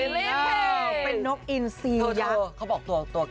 เป็นนกอินซียักษ์